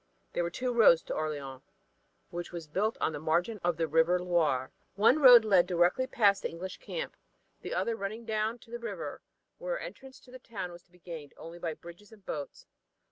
There were two roads to Orleans, which was built on the margin of the river Loire one road leading directly past the English camp, the other running down to the river, where entrance to the town was to be gained only by bridges and boats.